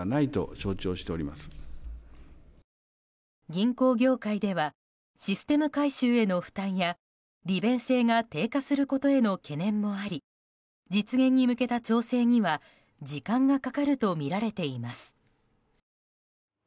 銀行業界ではシステム改修への負担や利便性が低下することへの懸念もあり実現に向けた調整には時間がかかるとみられています。